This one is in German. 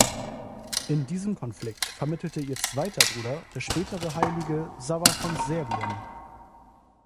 In diesem Konflikt vermittelte ihr zweiter Bruder, der spätere Heilige Sava von Serbien.